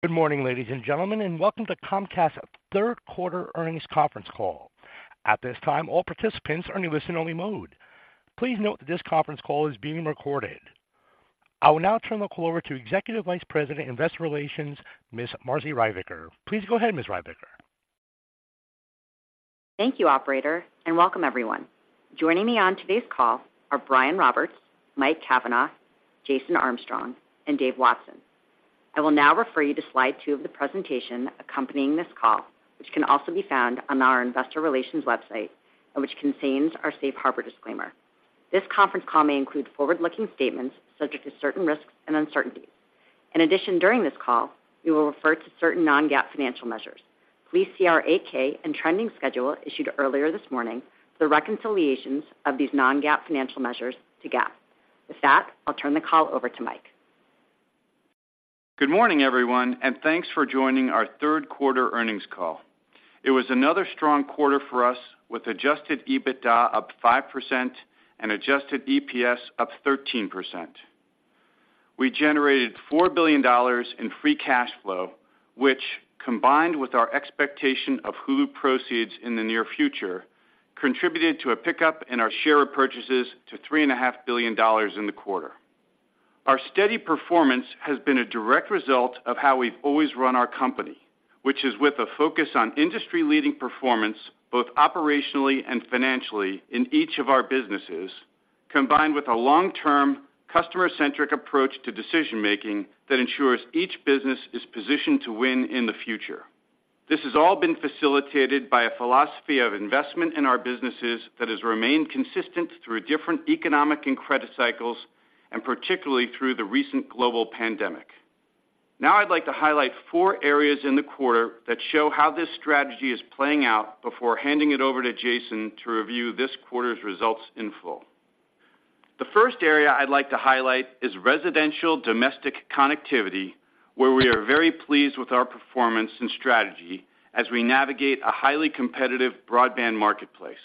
Good morning, ladies and gentlemen, and welcome to Comcast's Q3 Earnings Conference Call. At this time, all participants are in listen-only mode. Please note that this conference call is being recorded. I will now turn the call over to Executive Vice President, Investor Relations, Ms. Marci Ryvicker. Please go ahead, Ms. Ryvicker. Thank you, operator, and welcome everyone. Joining me on today's call are Brian Roberts, Mike Cavanagh, Jason Armstrong, and Dave Watson. I will now refer you to slide two of the presentation accompanying this call, which can also be found on our Investor Relations website and which contains our safe harbor disclaimer. This conference call may include forward-looking statements subject to certain risks and uncertainties. In addition, during this call, we will refer to certain non-GAAP financial measures. Please see our 8-K and trending schedule issued earlier this morning for the reconciliations of these non-GAAP financial measures to GAAP. With that, I'll turn the call over to Mike.. Good morning, everyone, and thanks for joining our Q3 earnings call. It was another strong quarter for us, with adjusted EBITDA up 5% and adjusted EPS up 13%. We generated $4 billion in free cash flow, which, combined with our expectation of Hulu proceeds in the near future, contributed to a pickup in our share purchases to $3.5 billion in the quarter. Our steady performance has been a direct result of how we've always run our company, which is with a focus on industry-leading performance, both operationally and financially, in each of our businesses, combined with a long-term, customer-centric approach to decision-making that ensures each business is positioned to win in the future. This has all been facilitated by a philosophy of investment in our businesses that has remained consistent through different economic and credit cycles, and particularly through the recent global pandemic. Now, I'd like to highlight four areas in the quarter that show how this strategy is playing out before handing it over to Jason to review this quarter's results in full. The first area I'd like to highlight is residential domestic connectivity, where we are very pleased with our performance and strategy as we navigate a highly competitive broadband marketplace.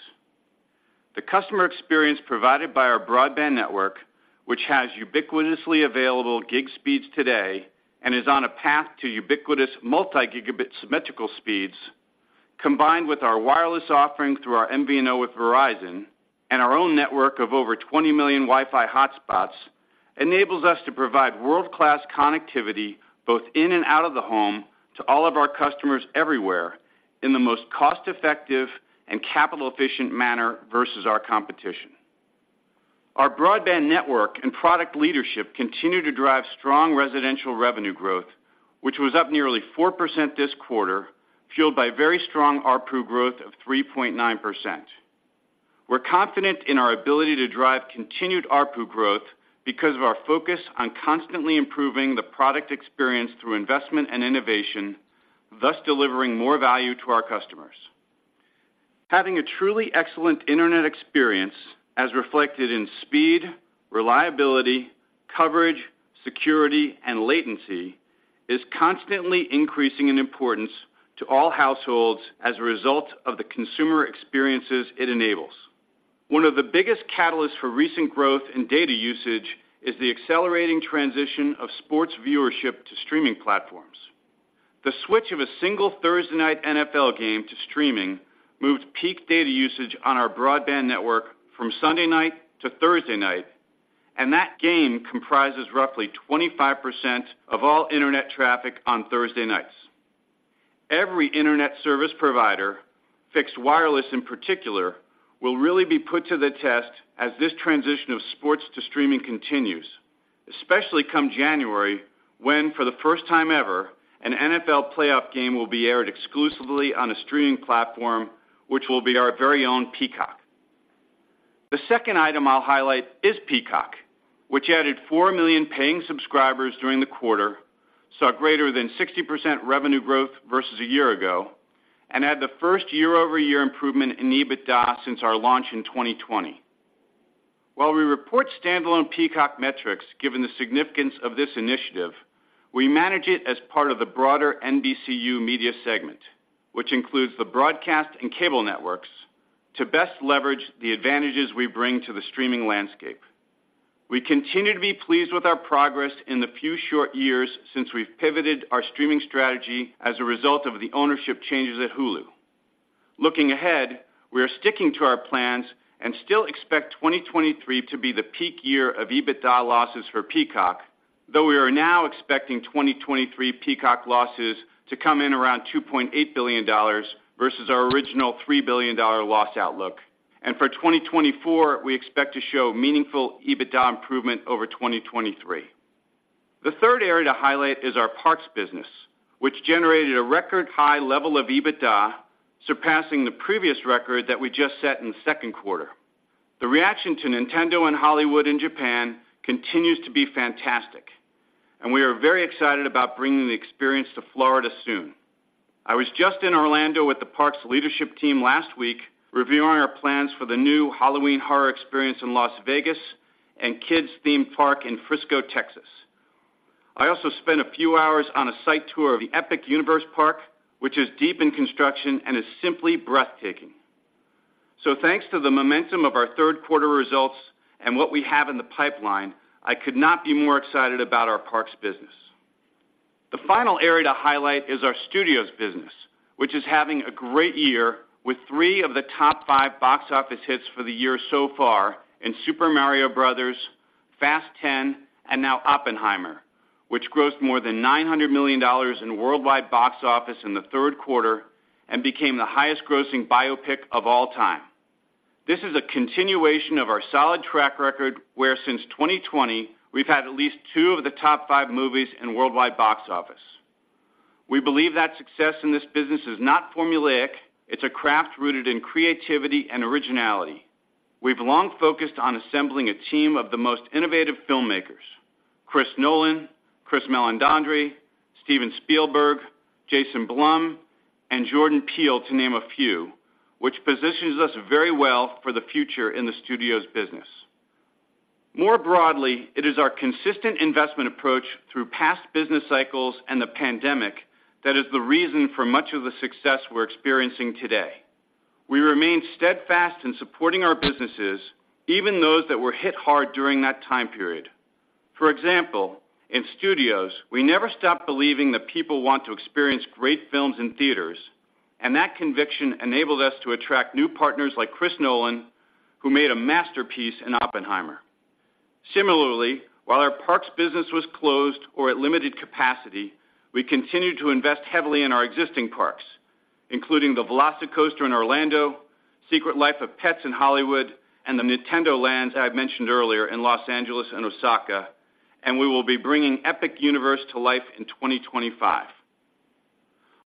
The customer experience provided by our broadband network, which has ubiquitous gig speeds available today and is on a path to ubiquitous multi-gigabit symmetrical speeds, combined with our wireless offering through our MVNO with Verizon and our own network of over 20 million Wi-Fi hotspots, enables us to provide world-class connectivity both in and out of the home to all of our customers everywhere in the most cost-effective and capital-efficient manner versus our competition. Our broadband network and product leadership continue to drive strong residential revenue growth, which was up nearly 4% this quarter, fueled by very strong ARPU growth of 3.9%. We're confident in our ability to drive continued ARPU growth because of our focus on constantly improving the product experience through investment and innovation, thus delivering more value to our customers. Having a truly excellent internet experience, as reflected in speed, reliability, coverage, security, and latency, is constantly increasing in importance to all households as a result of the consumer experiences it enables. One of the biggest catalysts for recent growth in data usage is the accelerating transition of sports viewership to streaming platforms. The switch of a single Thursday night NFL game to streaming moved peak data usage on our broadband network from Sunday night to Thursday night, and that game comprises roughly 25% of all internet traffic on Thursday nights. Every internet service provider, fixed wireless in particular, will really be put to the test as this transition of sports to streaming continues, especially come January, when, for the first time ever, an NFL playoff game will be aired exclusively on a streaming platform, which will be our very own Peacock. The second item I'll highlight is Peacock, which added 4 million paying subscribers during the quarter, saw greater than 60% revenue growth versus a year ago, and had the first year-over-year improvement in EBITDA since our launch in 2020. While we report standalone Peacock metrics, given the significance of this initiative, we manage it as part of the broader NBCU media segment, which includes the broadcast and cable networks, to best leverage the advantages we bring to the streaming landscape. We continue to be pleased with our progress in the few short years since we've pivoted our streaming strategy as a result of the ownership changes at Hulu. Looking ahead, we are sticking to our plans and still expect 2023 to be the peak year of EBITDA losses for Peacock, though we are now expecting 2023 Peacock losses to come in around $2.8 billion versus our original $3 billion loss outlook. For 2024, we expect to show meaningful EBITDA improvement over 2023. The third area to highlight is our parks business, which generated a record high level of EBITDA, surpassing the previous record that we just set in the Q2. The reaction to Nintendo in Hollywood and Japan continues to be fantastic, and we are very excited about bringing the experience to Florida soon. I was just in Orlando with the parks leadership team last week, reviewing our plans for the new Halloween Horror experience in Las Vegas and kids-themed park in Frisco, Texas. I also spent a few hours on a site tour of the Epic Universe park, which is deep in construction and is simply breathtaking. So thanks to the momentum of our Q3 results and what we have in the pipeline, I could not be more excited about our parks business. The final area to highlight is our studios business, which is having a great year with three of the top five box office hits for the year so far in Super Mario Bros., Fast X, and now Oppenheimer, which grossed more than $900 million in worldwide box office in the Q3 and became the highest grossing biopic of all time. This is a continuation of our solid track record, where since 2020, we've had at least two of the top five movies in worldwide box office. We believe that success in this business is not formulaic, it's a craft rooted in creativity and originality. We've long focused on assembling a team of the most innovative filmmakers: Chris Nolan, Chris Meledandri, Steven Spielberg, Jason Blum, and Jordan Peele, to name a few, which positions us very well for the future in the studio's business. More broadly, it is our consistent investment approach through past business cycles and the pandemic that is the reason for much of the success we're experiencing today. We remain steadfast in supporting our businesses, even those that were hit hard during that time period. For example, in studios, we never stopped believing that people want to experience great films in theaters, and that conviction enabled us to attract new partners like Chris Nolan, who made a masterpiece in Oppenheimer. Similarly, while our parks business was closed or at limited capacity, we continued to invest heavily in our existing parks, including the VelociCoaster in Orlando, Secret Life of Pets in Hollywood, and the Nintendo Lands I mentioned earlier in Los Angeles and Osaka, and we will be bringing Epic Universe to life in 2025.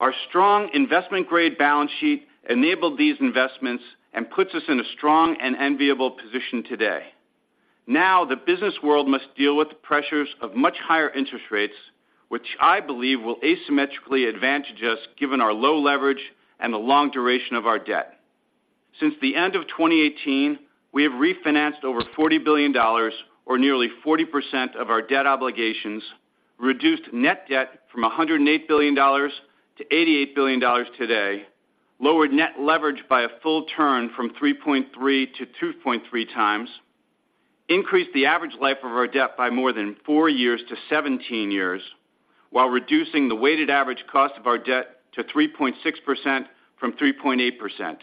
Our strong investment-grade balance sheet enabled these investments and puts us in a strong and enviable position today. Now, the business world must deal with the pressures of much higher interest rates, which I believe will asymmetrically advantage us, given our low leverage and the long duration of our debt. Since the end of 2018, we have refinanced over $40 billion or nearly 40% of our debt obligations, reduced net debt from $108 billion to $88 billion today, lowered net leverage by a full turn from 3.3 to 2.3 times, increased the average life of our debt by more than 4 years to 17 years, while reducing the weighted average cost of our debt to 3.6% from 3.8%.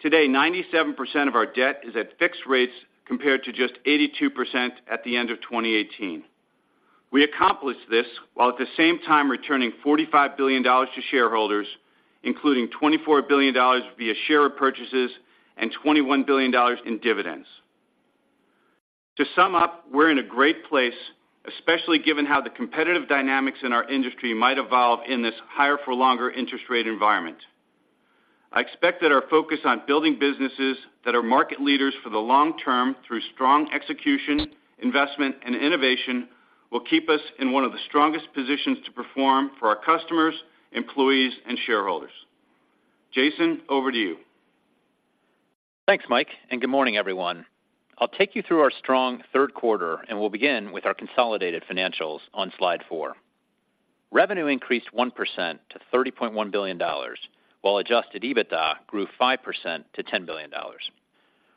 Today, 97% of our debt is at fixed rates, compared to just 82% at the end of 2018. We accomplished this while at the same time returning $45 billion to shareholders, including $24 billion via share purchases and $21 billion in dividends. To sum up, we're in a great place, especially given how the competitive dynamics in our industry might evolve in this higher for longer interest rate environment. I expect that our focus on building businesses that are market leaders for the long term through strong execution, investment, and innovation will keep us in one of the strongest positions to perform for our customers, employees, and shareholders. Jason, over to you. Thanks, Mike, and good morning, everyone. I'll take you through our strong Q3, and we'll begin with our consolidated financials on slide four. Revenue increased 1% to $30.1 billion, while adjusted EBITDA grew 5% to $10 billion.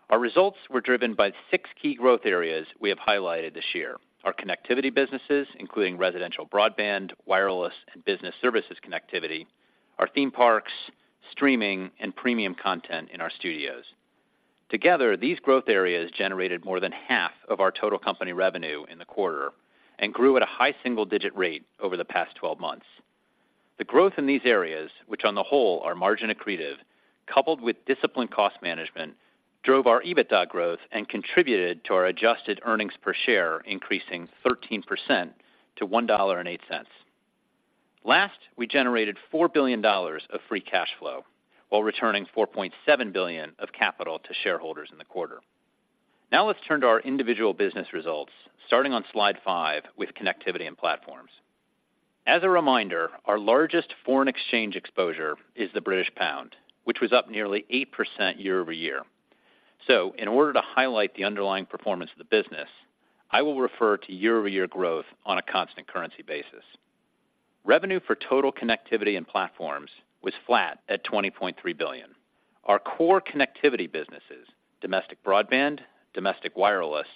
Our results were driven by six key growth areas we have highlighted this year: our connectivity businesses, including residential broadband, wireless, and business services connectivity, our theme parks, streaming, and premium content in our studios. Together, these growth areas generated more than half of our total company revenue in the quarter and grew at a high single-digit rate over the past 12 months. The growth in these areas, which on the whole are margin accretive, coupled with disciplined cost management, drove our EBITDA growth and contributed to our adjusted earnings per share, increasing 13% to $1.08. Last, we generated $4 billion of free cash flow while returning $4.7 billion of capital to shareholders in the quarter. Now, let's turn to our individual business results, starting on slide five with connectivity and platforms. As a reminder, our largest foreign exchange exposure is the British pound, which was up nearly 8% year-over-year. So in order to highlight the underlying performance of the business, I will refer to year-over-year growth on a constant currency basis. Revenue for total connectivity and platforms was flat at $20.3 billion. Our core connectivity businesses, domestic broadband, domestic wireless,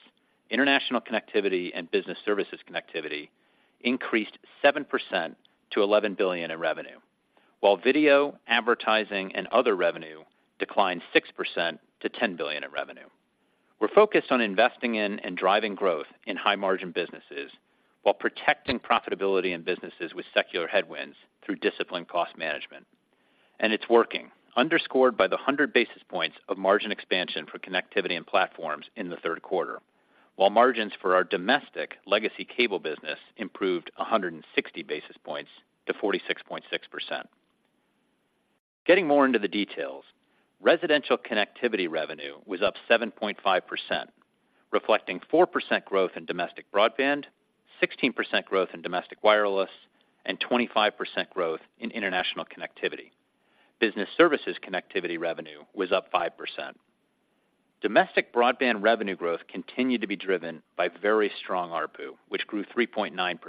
international connectivity, and business services connectivity, increased 7% to $11 billion in revenue, while video, advertising, and other revenue declined 6% to $10 billion in revenue. We're focused on investing in and driving growth in high-margin businesses while protecting profitability in businesses with secular headwinds through disciplined cost management. It's working, underscored by the 100 basis points of margin expansion for connectivity and platforms in the Q3, while margins for our domestic legacy cable business improved 160 basis points to 46.6%. Getting more into the details, residential connectivity revenue was up 7.5%, reflecting 4% growth in domestic broadband, 16% growth in domestic wireless, and 25% growth in international connectivity. Business services connectivity revenue was up 5%. Domestic broadband revenue growth continued to be driven by very strong ARPU, which grew 3.9%.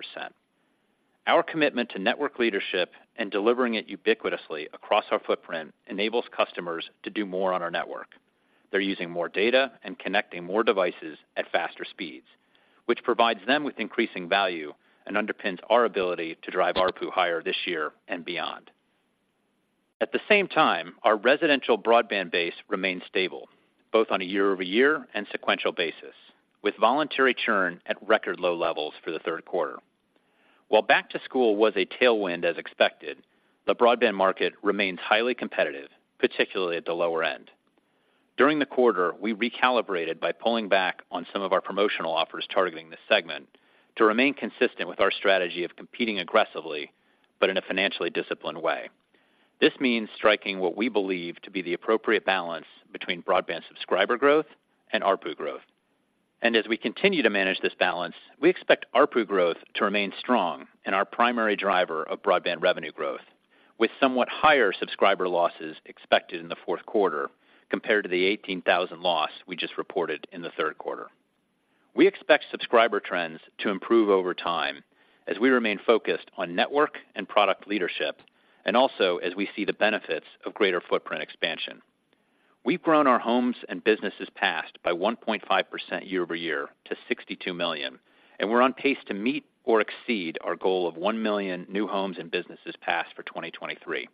Our commitment to network leadership and delivering it ubiquitously across our footprint enables customers to do more on our network. They're using more data and connecting more devices at faster speeds, which provides them with increasing value and underpins our ability to drive ARPU higher this year and beyond. At the same time, our residential broadband base remains stable, both on a year-over-year and sequential basis, with voluntary churn at record low levels for the Q3. While back to school was a tailwind as expected, the broadband market remains highly competitive, particularly at the lower end. During the quarter, we recalibrated by pulling back on some of our promotional offers targeting this segment to remain consistent with our strategy of competing aggressively, but in a financially disciplined way. This means striking what we believe to be the appropriate balance between broadband subscriber growth and ARPU growth. As we continue to manage this balance, we expect ARPU growth to remain strong and our primary driver of broadband revenue growth, with somewhat higher subscriber losses expected in the Q4 compared to the 18,000 loss we just reported in the Q3. We expect subscriber trends to improve over time as we remain focused on network and product leadership, and also as we see the benefits of greater footprint expansion. We've grown our homes and businesses passed by 1.5% year-over-year to 62 million, and we're on pace to meet or exceed our goal of 1 million new homes and businesses passed for 2023.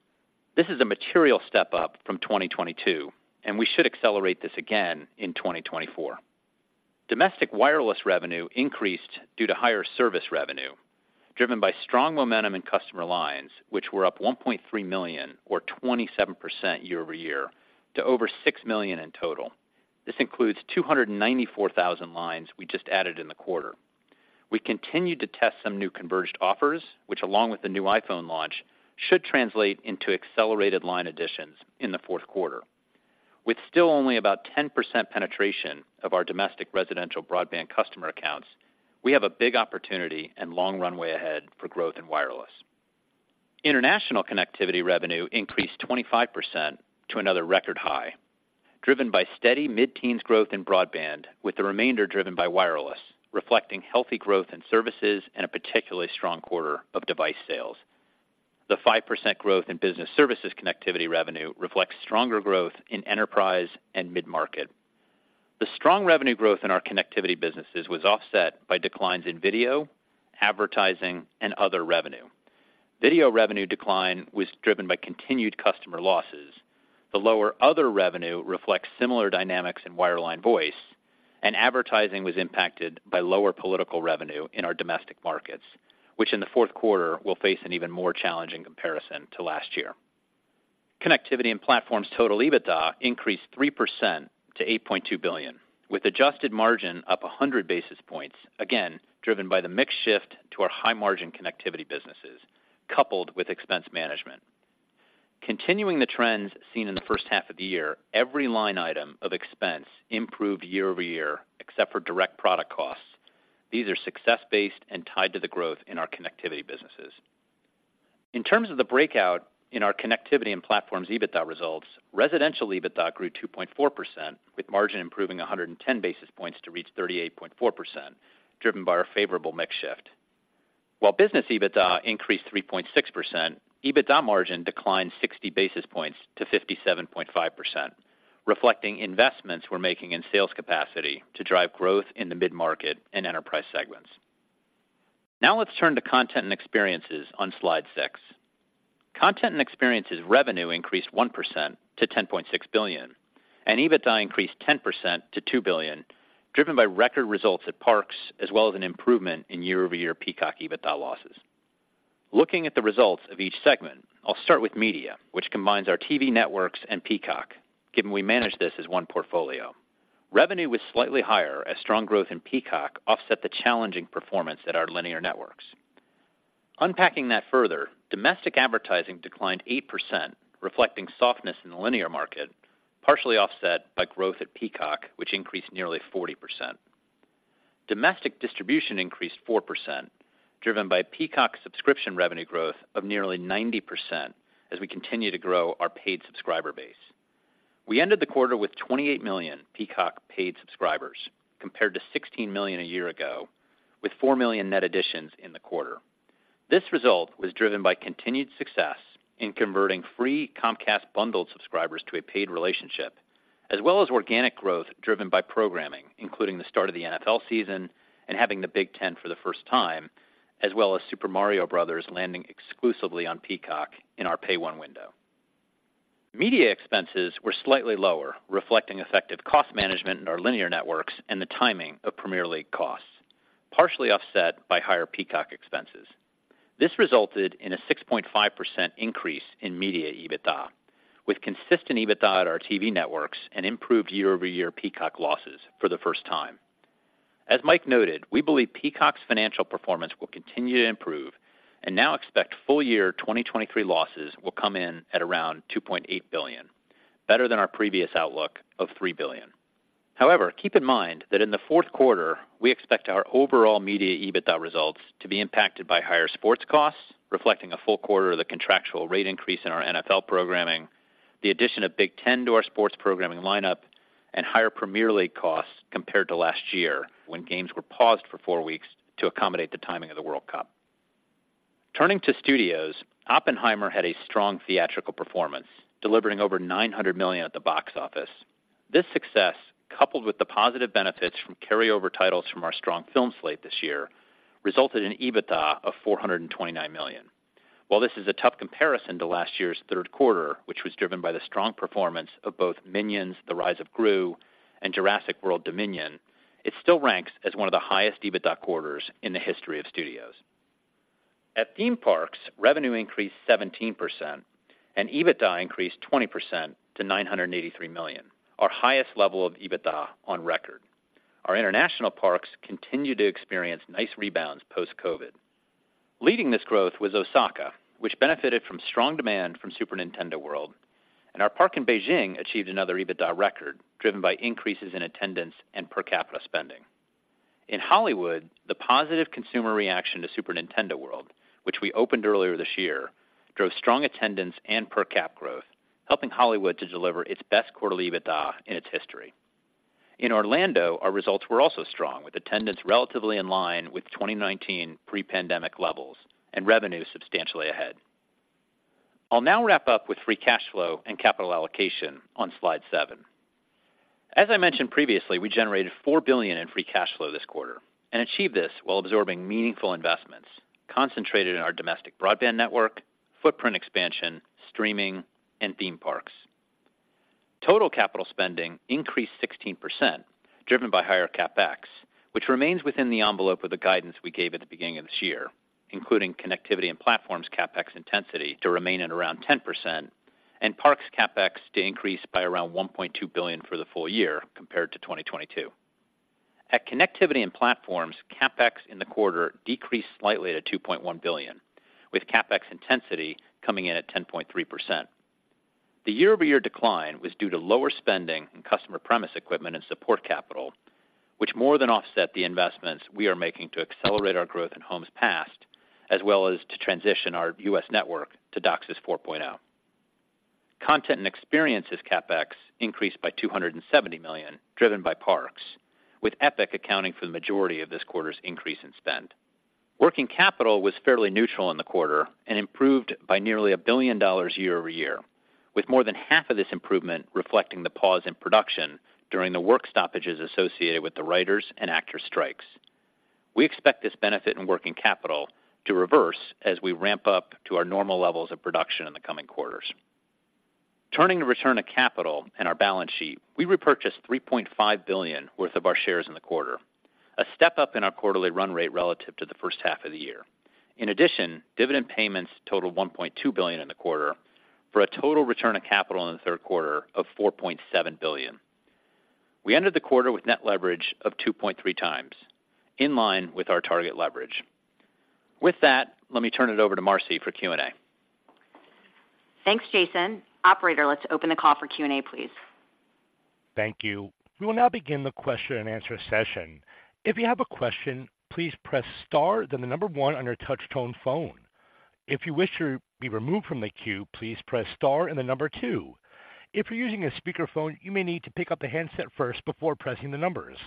This is a material step up from 2022, and we should accelerate this again in 2024. Domestic wireless revenue increased due to higher service revenue, driven by strong momentum in customer lines, which were up 1.3 million or 27% year-over-year to over 6 million in total. This includes 294 lines we just added in the quarter. We continued to test some new converged offers, which, along with the new iPhone launch, should translate into accelerated line additions in the Q4. With still only about 10% penetration of our domestic residential broadband customer accounts, we have a big opportunity and long runway ahead for growth in wireless. International connectivity revenue increased 25% to another record high, driven by steady mid-teens growth in broadband, with the remainder driven by wireless, reflecting healthy growth in services and a particularly strong quarter of device sales. The 5% growth in business services connectivity revenue reflects stronger growth in enterprise and mid-market. The strong revenue growth in our connectivity businesses was offset by declines in video, advertising, and other revenue. Video revenue decline was driven by continued customer losses. The lower other revenue reflects similar dynamics in wireline voice, and advertising was impacted by lower political revenue in our domestic markets, which in the Q4 will face an even more challenging comparison to last year. Connectivity and platforms total EBITDA increased 3% to $8.2 billion, with adjusted margin up 100 basis points, again, driven by the mix shift to our high-margin connectivity businesses, coupled with expense management. Continuing the trends seen in the first half of the year, every line item of expense improved year-over-year, except for direct product costs. These are success-based and tied to the growth in our connectivity businesses. In terms of the breakout in our connectivity and platforms' EBITDA results, residential EBITDA grew 2.4%, with margin improving 110 basis points to reach 38.4%, driven by our favorable mix shift. While business EBITDA increased 3.6%, EBITDA margin declined 60 basis points to 57.5%, reflecting investments we're making in sales capacity to drive growth in the mid-market and enterprise segments. Now let's turn to content and experiences on slide six. Content and experiences revenue increased 1% to $10.6 billion, and EBITDA increased 10% to $2 billion, driven by record results at Parks, as well as an improvement in year-over-year Peacock EBITDA losses. Looking at the results of each segment, I'll start with media, which combines our TV networks and Peacock, given we manage this as one portfolio. Revenue was slightly higher as strong growth in Peacock offset the challenging performance at our linear networks. Unpacking that further, domestic advertising declined 8%, reflecting softness in the linear market, partially offset by growth at Peacock, which increased nearly 40%. Domestic distribution increased 4%, driven by Peacock subscription revenue growth of nearly 90%, as we continue to grow our paid subscriber base. We ended the quarter with 28 million Peacock paid subscribers, compared to 16 million a year ago, with 4 million net additions in the quarter. This result was driven by continued success in converting free Comcast bundled subscribers to a paid relationship, as well as organic growth driven by programming, including the start of the NFL season and having the Big Ten for the first time, as well as Super Mario Brothers landing exclusively on Peacock in our Pay One window. Media expenses were slightly lower, reflecting effective cost management in our linear networks and the timing of Premier League costs, partially offset by higher Peacock expenses. This resulted in a 6.5% increase in media EBITDA, with consistent EBITDA at our TV networks and improved year-over-year Peacock losses for the first time. As Mike noted, we believe Peacock's financial performance will continue to improve and now expect full year 2023 losses will come in at around $2.8 billion, better than our previous outlook of $3 billion. However, keep in mind that in the Q4, we expect our overall media EBITDA results to be impacted by higher sports costs, reflecting a full quarter of the contractual rate increase in our NFL programming, the addition of Big Ten to our sports programming lineup and higher Premier League costs compared to last year, when games were paused for four weeks to accommodate the timing of the World Cup. Turning to studios, Oppenheimer had a strong theatrical performance, delivering over $900 million at the box office. This success, coupled with the positive benefits from carryover titles from our strong film slate this year, resulted in EBITDA of $429 million. While this is a tough comparison to last year's Q3, which was driven by the strong performance of both Minions: The Rise of Gru and Jurassic World Dominion, it still ranks as one of the highest EBITDA quarters in the history of studios. At theme parks, revenue increased 17% and EBITDA increased 20% to $983 million, our highest level of EBITDA on record. Our international parks continue to experience nice rebounds post-COVID. Leading this growth was Osaka, which benefited from strong demand from Super Nintendo World, and our park in Beijing achieved another EBITDA record, driven by increases in attendance and per capita spending. In Hollywood, the positive consumer reaction to Super Nintendo World, which we opened earlier this year, drove strong attendance and per cap growth, helping Hollywood to deliver its best quarterly EBITDA in its history. In Orlando, our results were also strong, with attendance relatively in line with 2019 pre-pandemic levels and revenue substantially ahead. I'll now wrap up with free cash flow and capital allocation on slide seven. As I mentioned previously, we generated $4 billion in free cash flow this quarter and achieved this while absorbing meaningful investments concentrated in our domestic broadband network, footprint expansion, streaming, and theme parks. Total capital spending increased 16%, driven by higher CapEx, which remains within the envelope of the guidance we gave at the beginning of this year, including Connectivity and Platforms CapEx intensity to remain at around 10% and parks CapEx to increase by around $1.2 billion for the full year compared to 2022. At Connectivity and Platforms, CapEx in the quarter decreased slightly to $2.1 billion, with CapEx intensity coming in at 10.3%. The year-over-year decline was due to lower spending in customer premise equipment and support capital, which more than offset the investments we are making to accelerate our growth in homes passed, as well as to transition our U.S. network to DOCSIS 4.0. Content and experiences CapEx increased by $270 million, driven by parks, with Epic accounting for the majority of this quarter's increase in spend. Working capital was fairly neutral in the quarter and improved by nearly $1 billion year-over-year, with more than half of this improvement reflecting the pause in production during the work stoppages associated with the writers and actors strikes. We expect this benefit in working capital to reverse as we ramp up to our normal levels of production in the coming quarters. Turning to return of capital and our balance sheet, we repurchased $3.5 billion worth of our shares in the quarter, a step up in our quarterly run rate relative to the first half of the year. In addition, dividend payments totaled $1.2 billion in the quarter, for a total return of capital in the Q3 of $4.7 billion. We ended the quarter with net leverage of 2.3 times, in line with our target leverage. With that, let me turn it over to Marci for Q&A. Thanks, Jason. Operator, let's open the call for Q&A, please. Thank you. We will now begin the question-and-answer session. If you have a question, please press star, then the number one on your touch tone phone. If you wish to be removed from the queue, please press star and the number two. If you're using a speakerphone, you may need to pick up the handset first before pressing the numbers.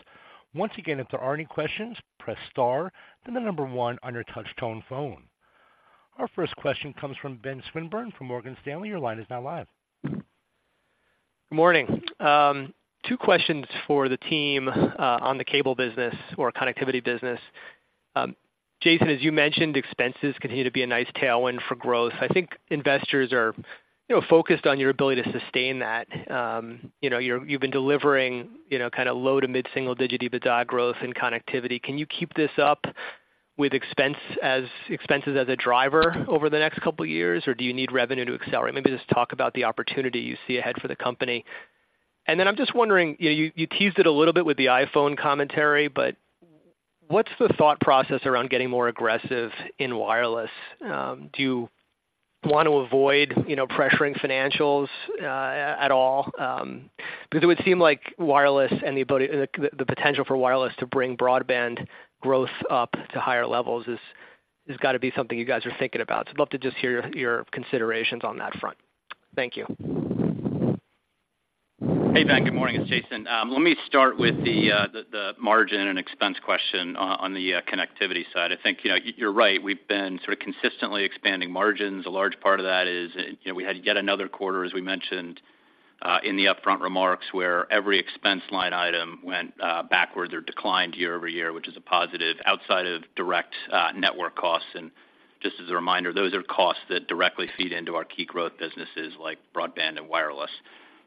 Once again, if there are any questions, press star, then the number one on your touch tone phone. Our first question comes from Ben Swinburne from Morgan Stanley. Your line is now live. Good morning. Two questions for the team on the cable business or connectivity business. Jason, as you mentioned, expenses continue to be a nice tailwind for growth. I think investors are, you know, focused on your ability to sustain that. You know, you've been delivering, you know, kinda low-to-mid single digit EBITDA growth in connectivity. Can you keep this up with expenses as a driver over the next couple of years, or do you need revenue to accelerate? Maybe just talk about the opportunity you see ahead for the company. And then I'm just wondering, you know, you teased it a little bit with the iPhone commentary, but what's the thought process around getting more aggressive in wireless? Do you want to avoid, you know, pressuring financials at all? Because it would seem like wireless and the potential for wireless to bring broadband growth up to higher levels has got to be something you guys are thinking about. So I'd love to just hear your, your considerations on that front. Thank you. Hey, Ben. Good morning. It's Jason. Let me start with the margin and expense question on the connectivity side. I think, you know, you're right. We've been sort of consistently expanding margins. A large part of that is, you know, we had yet another quarter, as we mentioned, in the upfront remarks, where every expense line item went backwards or declined year-over-year, which is a positive outside of direct network costs. And just as a reminder, those are costs that directly feed into our key growth businesses like broadband and wireless.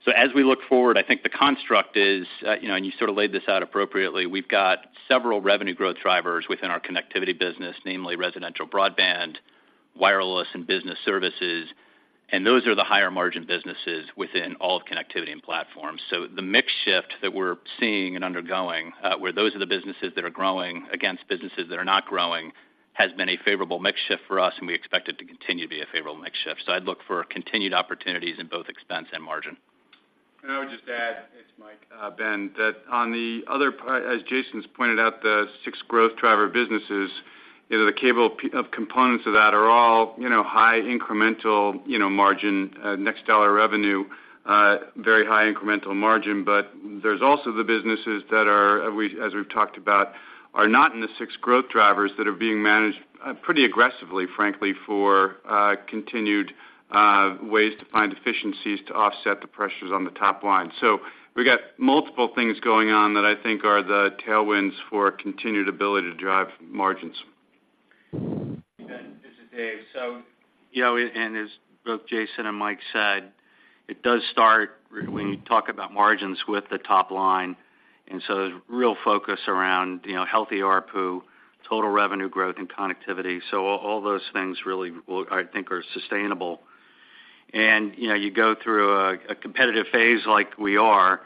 So as we look forward, I think the construct is, you know, and you sort of laid this out appropriately, we've got several revenue growth drivers within our connectivity business, namely residential broadband, wireless and business services, and those are the higher margin businesses within all of connectivity and platforms. So the mix shift that we're seeing and undergoing, where those are the businesses that are growing against businesses that are not growing, has been a favorable mix shift for us, and we expect it to continue to be a favorable mix shift. So I'd look for continued opportunities in both expense and margin. I would just add, it's Mike, Ben, that on the other part, as Jason's pointed out, the six growth driver businesses, you know, the cable of components of that are all, you know, high incremental, you know, margin, next dollar revenue, very high incremental margin. But there's also the businesses that are, we, as we've talked about, are not in the six growth drivers that are being managed, pretty aggressively, frankly, for continued ways to find efficiencies to offset the pressures on the top line. So we've got multiple things going on that I think are the tailwinds for continued ability to drive margins. Ben, this is Dave. So, you know, and as both Jason and Mike said, it does start when you talk about margins with the top line, and so there's real focus around, you know, healthy ARPU, total revenue growth, and connectivity. So all those things really will, I think, are sustainable. And, you know, you go through a competitive phase like we are,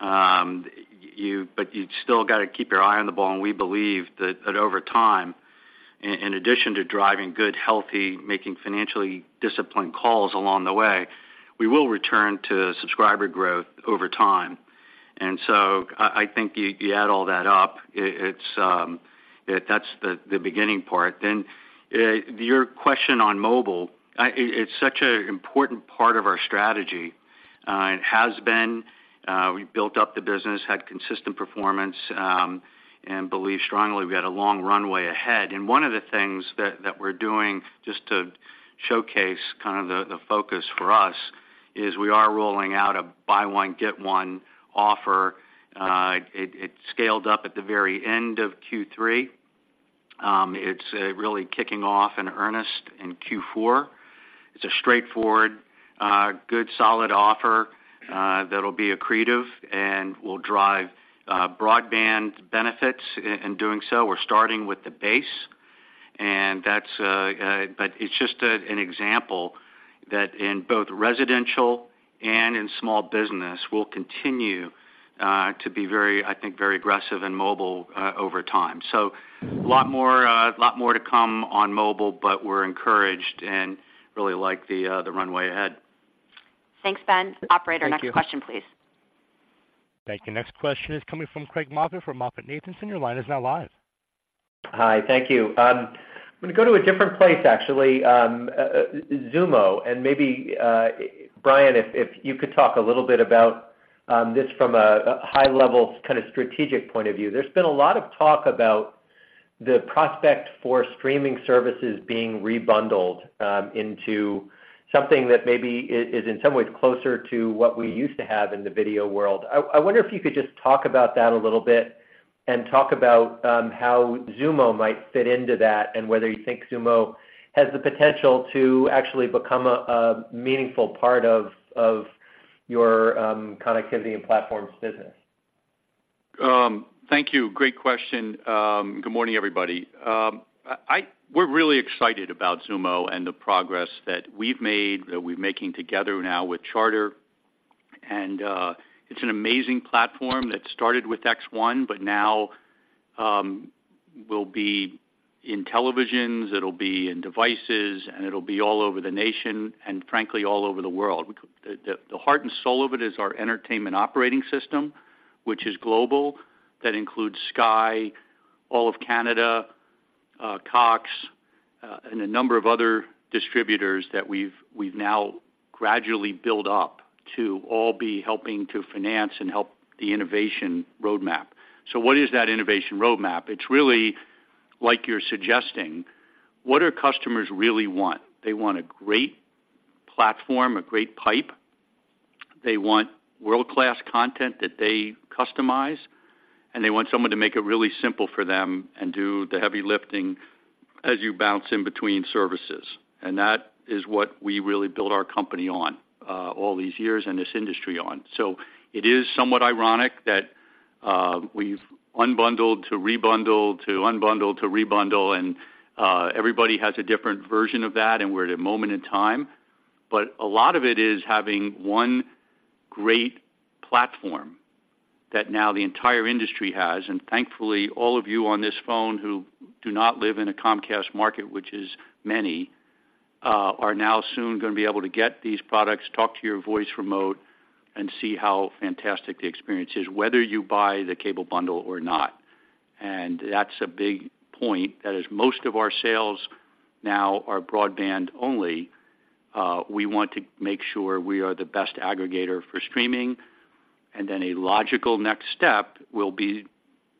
but you've still got to keep your eye on the ball, and we believe that over time, in addition to driving good, healthy, making financially disciplined calls along the way, we will return to subscriber growth over time. And so I think you add all that up, it's that's the beginning part. Then, your question on mobile. It's such an important part of our strategy. It has been, we built up the business, had consistent performance, and believe strongly we had a long runway ahead. And one of the things that we're doing just to showcase kind of the focus for us is we are rolling out a buy one, get one offer. It scaled up at the very end of Q3. It's really kicking off in earnest in Q4. It's a straightforward, good, solid offer, that'll be accretive and will drive, broadband benefits. In doing so, we're starting with the base, and that's. But it's just an example that in both residential and in small business, we'll continue to be very, I think, very aggressive in mobile, over time. So a lot more, a lot more to come on mobile, but we're encouraged and really like the runway ahead. Thanks, Ben. Thank you. Operator, next question, please. Thank you. Next question is coming from Craig Moffett from MoffettNathanson. Your line is now live. Hi, thank you. I'm going to go to a different place, actually, Xumo. Maybe, Brian, if, if you could talk a little bit about, this from a, a high level, kind of strategic point of view. There's been a lot of talk about the prospect for streaming services being rebundled, into something that maybe is, is in some ways closer to what we used to have in the video world. I, I wonder if you could just talk about that a little bit and talk about, how Xumo might fit into that, and whether you think Xumo has the potential to actually become a, a meaningful part of, of your, connectivity and platforms business. Thank you. Great question. Good morning, everybody. We're really excited about Xumo and the progress that we've made, that we're making together now with Charter. It's an amazing platform that started with X1, but now will be in televisions, it'll be in devices, and it'll be all over the nation, and frankly, all over the world. The heart and soul of it is our entertainment operating system, which is global. That includes Sky, all of Canada, Cox, and a number of other distributors that we've now gradually built up to all be helping to finance and help the innovation roadmap. So what is that innovation roadmap? It's really like you're suggesting, what do customers really want? They want a great platform, a great pipe. They want world-class content that they customize, and they want someone to make it really simple for them and do the heavy lifting as you bounce in between services. And that is what we really built our company on, all these years and this industry on. So it is somewhat ironic that, we've unbundled to rebundled, to unbundled, to rebundled, and, everybody has a different version of that, and we're at a moment in time. But a lot of it is having one great platform that now the entire industry has. And thankfully, all of you on this phone who do not live in a Comcast market, which is many, are now soon going to be able to get these products, talk to your voice remote, and see how fantastic the experience is, whether you buy the cable bundle or not. And that's a big point. That is, most of our sales now are broadband only. We want to make sure we are the best aggregator for streaming, and then a logical next step will be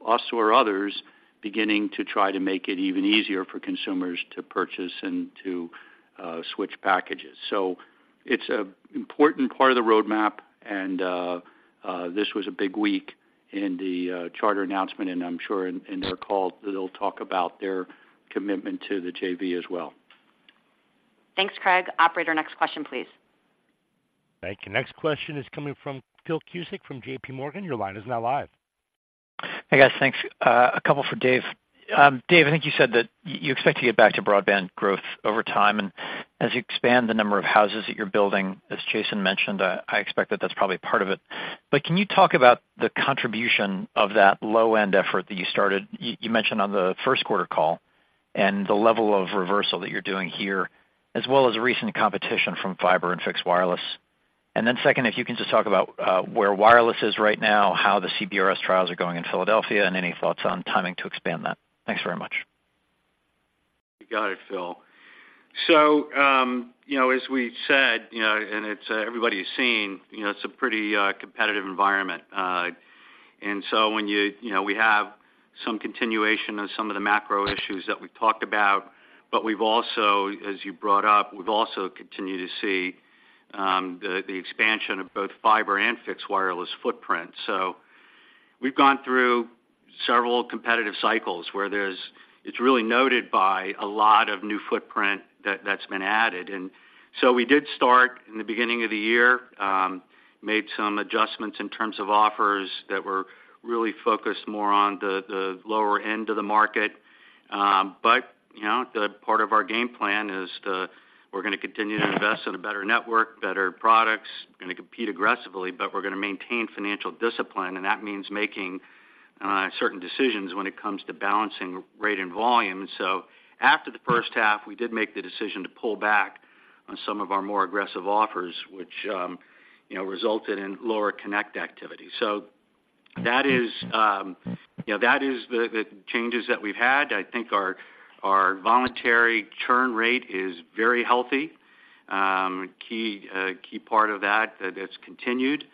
us or others beginning to try to make it even easier for consumers to purchase and to switch packages. So it's an important part of the roadmap, and this was a big week in the Charter announcement, and I'm sure in their call, they'll talk about their commitment to the JV as well. Thanks, Craig. Operator, next question, please. Thank you. Next question is coming from Phil Cusick from JP Morgan. Your line is now live. Hey, guys, thanks. A couple for Dave. Dave, I think you said that you expect to get back to broadband growth over time. And as you expand the number of houses that you're building, as Jason mentioned, I expect that that's probably part of it. But can you talk about the contribution of that low-end effort that you started, you mentioned on the Q1 call? And the level of reversal that you're doing here, as well as recent competition from fiber and fixed wireless. And then second, if you can just talk about where wireless is right now, how the CBRS trials are going in Philadelphia, and any thoughts on timing to expand that? Thanks very much. You got it, Phil. So, you know, as we said, you know, and it's, everybody has seen, you know, it's a pretty competitive environment. And so when you know, we have some continuation of some of the macro issues that we've talked about, but we've also, as you brought up, we've also continued to see the expansion of both fiber and fixed wireless footprint. So we've gone through several competitive cycles where it's really noted by a lot of new footprint that's been added. And so we did start in the beginning of the year, made some adjustments in terms of offers that were really focused more on the lower end of the market. But, you know, the part of our game plan is the, we're gonna continue to invest in a better network, better products. We're gonna compete aggressively, but we're gonna maintain financial discipline, and that means making certain decisions when it comes to balancing rate and volume. So after the first half, we did make the decision to pull back on some of our more aggressive offers, which you know, resulted in lower connect activity. So that is you know, that is the changes that we've had. I think our voluntary churn rate is very healthy. A key part of that that it's continued,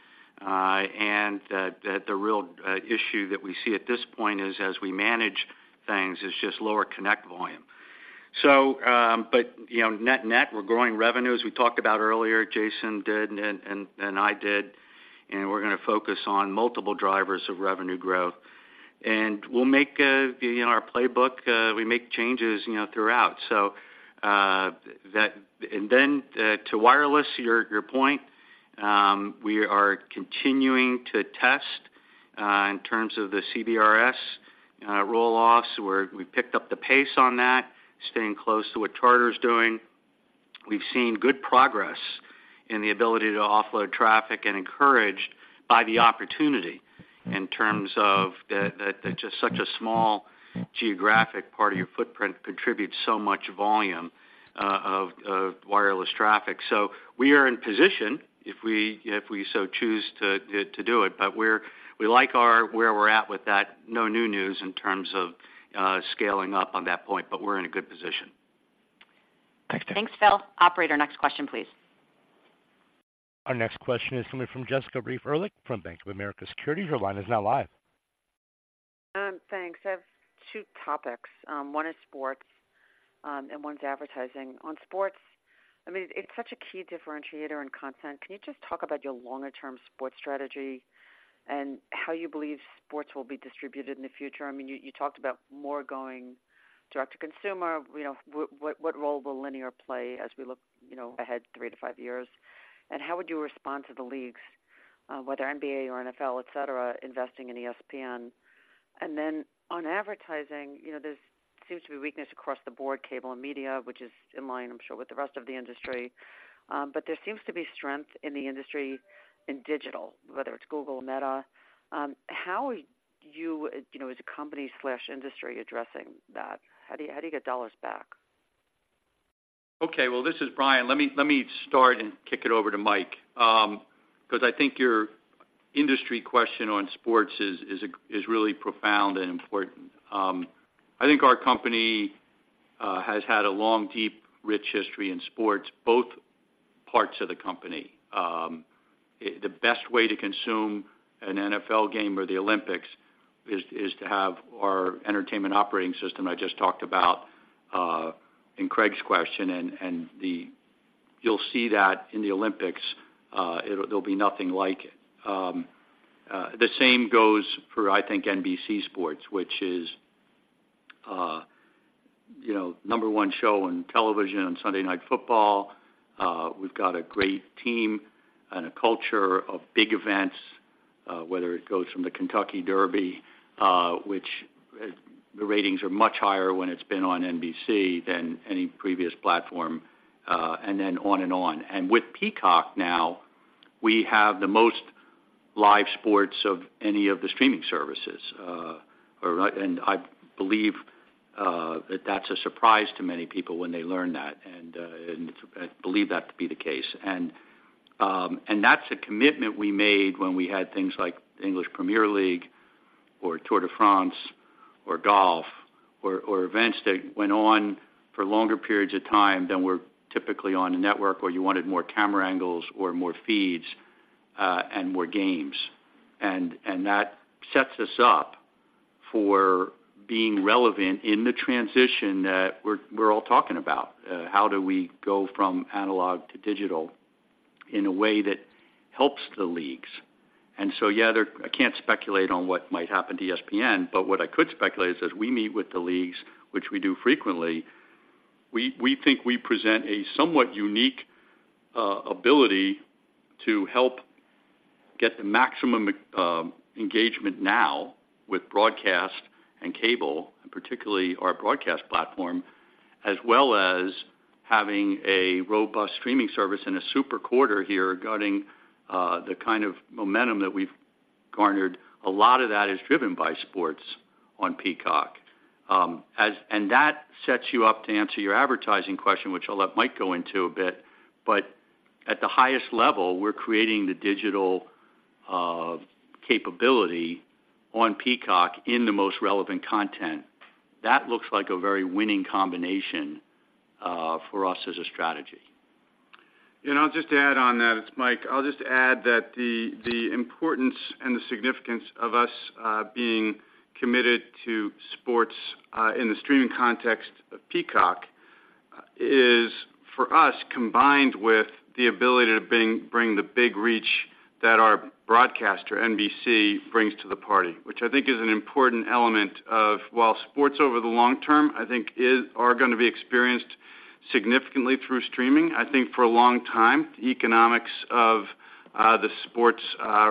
and that the real issue that we see at this point is, as we manage things, is just lower connect volume. So but, you know, net-net, we're growing revenues. We talked about earlier, Jason did, and I did, and we're gonna focus on multiple drivers of revenue growth. And we'll make a, in our playbook, we make changes, you know, throughout. And then, to wireless, your point, we are continuing to test in terms of the CBRS rollout, where we picked up the pace on that, staying close to what Charter is doing. We've seen good progress in the ability to offload traffic and encouraged by the opportunity in terms of that just such a small geographic part of your footprint contributes so much volume of wireless traffic. So we are in position, if we so choose to do it, but we like where we're at with that. No new news in terms of scaling up on that point, but we're in a good position. Thanks. Thanks, Phil. Operator, next question, please. Our next question is coming from Jessica Reif Ehrlich from Bank of America Securities. Your line is now live. Thanks. I have two topics. One is sports, and one's advertising. On sports, I mean, it's such a key differentiator in content. Can you just talk about your longer-term sports strategy and how you believe sports will be distributed in the future? I mean, you, you talked about more going direct to consumer. You know, what, what role will linear play as we look, you know, ahead three to five years? And how would you respond to the leagues, whether NBA or NFL, et cetera, investing in ESPN? And then on advertising, you know, there seems to be weakness across the board, cable and media, which is in line, I'm sure, with the rest of the industry. But there seems to be strength in the industry in digital, whether it's Google or Meta. How are you, you know, as a company/industry, addressing that? How do you get dollars back? Okay, well, this is Brian. Let me start and kick it over to Mike, because I think your industry question on sports is really profound and important. I think our company has had a long, deep, rich history in sports, both parts of the company. The best way to consume an NFL game or the Olympics is to have our entertainment operating system I just talked about in Craig's question, and the. You'll see that in the Olympics, there'll be nothing like it. The same goes for, I think, NBC Sports, which is, you know, number one show on television on Sunday Night Football. We've got a great team and a culture of big events, whether it goes from the Kentucky Derby, which the ratings are much higher when it's been on NBC than any previous platform, and then on and on. And with Peacock now, we have the most live sports of any of the streaming services. And I believe that that's a surprise to many people when they learn that, and I believe that to be the case. And that's a commitment we made when we had things like English Premier League or Tour de France or golf or events that went on for longer periods of time than were typically on a network, where you wanted more camera angles or more feeds, and more games. That sets us up for being relevant in the transition that we're all talking about. How do we go from analog to digital in a way that helps the leagues? And so, yeah, I can't speculate on what might happen to ESPN, but what I could speculate is, as we meet with the leagues, which we do frequently, we think we present a somewhat unique ability to help get the maximum engagement now with broadcast and cable, and particularly our broadcast platform. As well as having a robust streaming service and a super quarter here regarding the kind of momentum that we've garnered, a lot of that is driven by sports on Peacock. And that sets you up to answer your advertising question, which I'll let Mike go into a bit, but at the highest level, we're creating the digital capability on Peacock in the most relevant content. That looks like a very winning combination for us as a strategy. I'll just add on that, it's Mike. I'll just add that the importance and the significance of us being committed to sports in the streaming context of Peacock is, for us, combined with the ability to bring the big reach that our broadcaster, NBC, brings to the party, which I think is an important element of while sports over the long term, I think, are gonna be experienced significantly through streaming. I think for a long time, the economics of the sports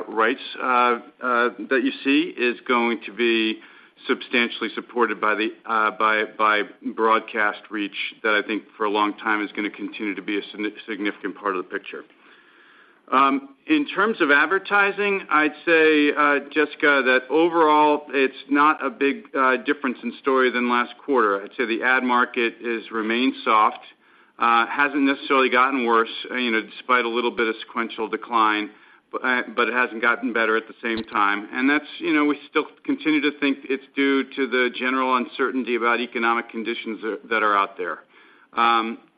rights that you see is going to be substantially supported by the broadcast reach, that I think for a long time is gonna continue to be a significant part of the picture. In terms of advertising, I'd say, Jessica, that overall it's not a big difference in story than last quarter. I'd say the ad market has remained soft, hasn't necessarily gotten worse, you know, despite a little bit of sequential decline, but it hasn't gotten better at the same time. And that's, you know, we still continue to think it's due to the general uncertainty about economic conditions that are out there.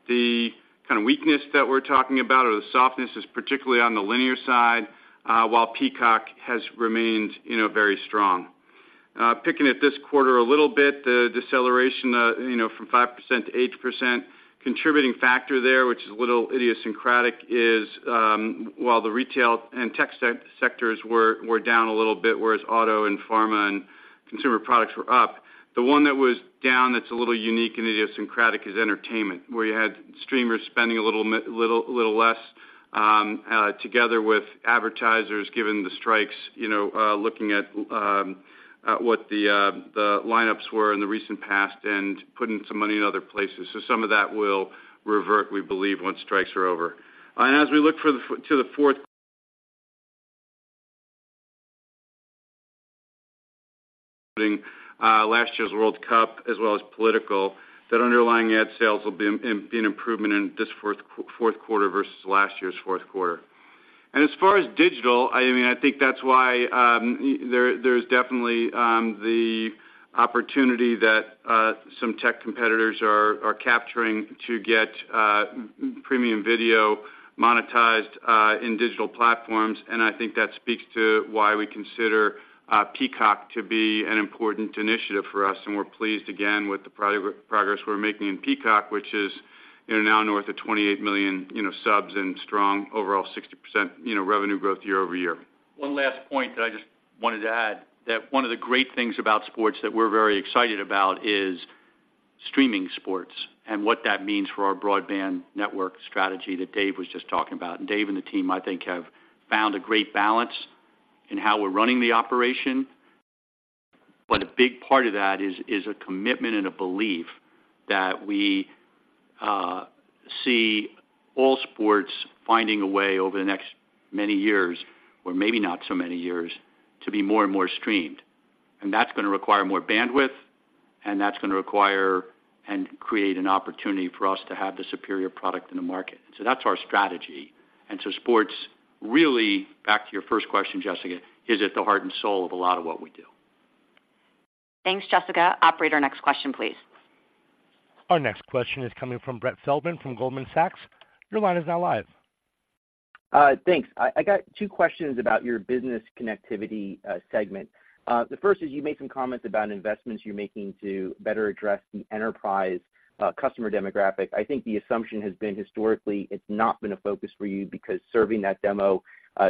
The kind of weakness that we're talking about or the softness is particularly on the linear side, while Peacock has remained, you know, very strong. Picking it this quarter a little bit, the deceleration, you know, from 5% to 8%, contributing factor there, which is a little idiosyncratic, is, while the retail and tech sectors were down a little bit, whereas auto and pharma and consumer products were up. The one that was down that's a little unique and idiosyncratic is entertainment, where you had streamers spending a little less, together with advertisers, given the strikes, you know, looking at what the lineups were in the recent past and putting some money in other places. So some of that will revert, we believe, once strikes are over. And as we look to the fourth, last year's World Cup, as well as political, that underlying ad sales will be an improvement in this Q4 versus last year's Q4. As far as digital, I mean, I think that's why, there's definitely the opportunity that some tech competitors are capturing to get premium video monetized in digital platforms, and I think that speaks to why we consider Peacock to be an important initiative for us. We're pleased again with the progress we're making in Peacock, which is, you know, now north of 28 million, you know, subs and strong overall 60%, you know, revenue growth year-over-year. One last point that I just wanted to add, that one of the great things about sports that we're very excited about is streaming sports and what that means for our broadband network strategy that Dave was just talking about. Dave and the team, I think, have found a great balance in how we're running the operation. But a big part of that is a commitment and a belief that we see all sports finding a way over the next many years, or maybe not so many years, to be more and more streamed. And that's gonna require more bandwidth, and that's gonna require and create an opportunity for us to have the superior product in the market. So that's our strategy. And so sports, really, back to your first question, Jessica, is at the heart and soul of a lot of what we do. Thanks, Jessica. Operator, next question, please. Our next question is coming from Brett Feldman from Goldman Sachs. Your line is now live. Thanks. I got two questions about your business connectivity segment. The first is, you made some comments about investments you're making to better address the enterprise customer demographic. I think the assumption has been historically, it's not been a focus for you because serving that demo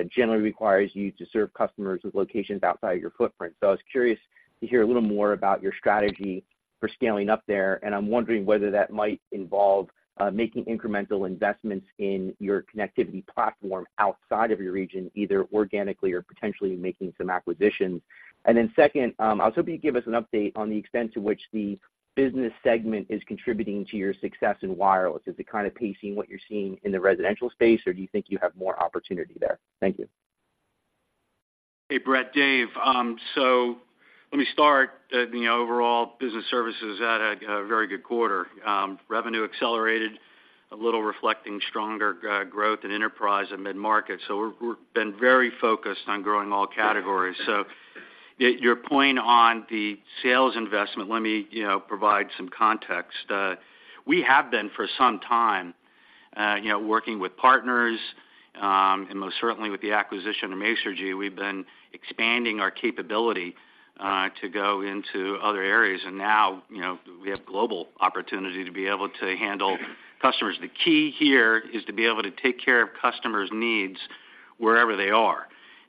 generally requires you to serve customers with locations outside your footprint. So I was curious to hear a little more about your strategy for scaling up there, and I'm wondering whether that might involve making incremental investments in your connectivity platform outside of your region, either organically or potentially making some acquisitions. And then second, I was hoping you'd give us an update on the extent to which the business segment is contributing to your success in wireless. Is it kind of pacing what you're seeing in the residential space, or do you think you have more opportunity there? Thank you. Hey, Brett, Dave. So let me start, you know, overall, business services had a very good quarter. Revenue accelerated a little, reflecting stronger growth in enterprise and mid-market. So we're, we've been very focused on growing all categories. So your point on the sales investment, let me, you know, provide some context. We have been for some time, you know, working with partners, and most certainly with the acquisition of Masergy, we've been expanding our capability to go into other areas. And now, you know, we have global opportunity to be able to handle customers. The key here is to be able to take care of customers' needs wherever they are.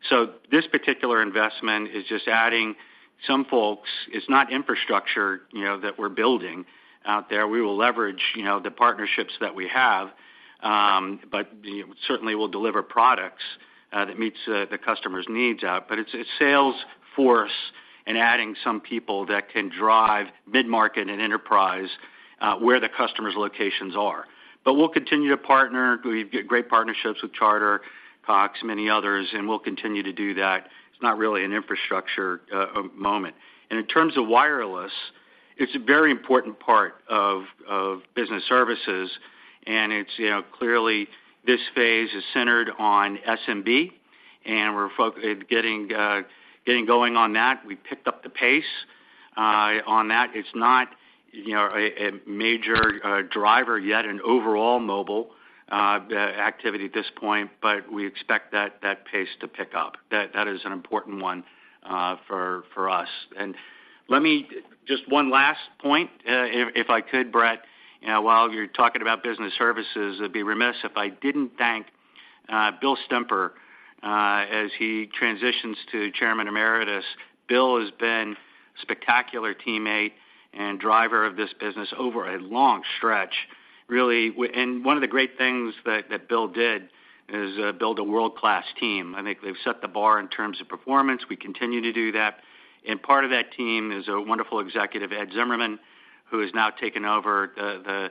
So this particular investment is just adding some folks. It's not infrastructure, you know, that we're building out there. We will leverage, you know, the partnerships that we have, but certainly we'll deliver products that meets the, the customer's needs out. But it's, it's sales force and adding some people that can drive mid-market and enterprise, where the customer's locations are. But we'll continue to partner. We've got great partnerships with Charter, Cox, many others, and we'll continue to do that. It's not really an infrastructure moment. And in terms of wireless, it's a very important part of business services, and it's, you know, clearly this phase is centered on SMB, and we're getting going on that. We picked up the pace on that. It's not, you know, a major driver yet in overall mobile activity at this point, but we expect that pace to pick up. That is an important one for us. And let me just one last point, if, if I could, Brett, you know, while you're talking about business services, it'd be remiss if I didn't thank, Bill Stemper, as he transitions to Chairman Emeritus. Bill has been spectacular teammate and driver of this business over a long stretch, really. And one of the great things that, that Bill did, is, build a world-class team. I think they've set the bar in terms of performance. We continue to do that. And part of that team is a wonderful executive, Ed Zimmerman, who has now taken over the, the,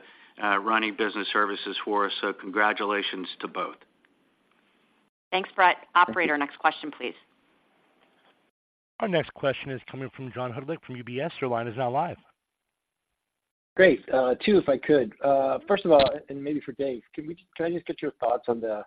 running business services for us. So congratulations to both. Thanks, Brett. Operator, next question, please. Our next question is coming from John Hodulik from UBS. Your line is now live. Great, two, if I could. First of all, and maybe for Dave, can I just get your thoughts on the